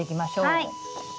はい。